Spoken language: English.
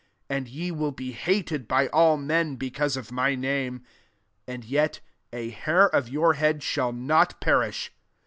17 And ye will be hated by all men, because of my name. 18 And yet a hair of your head shall not perish.